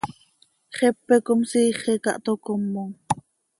Xepe com siixi ca toc comom.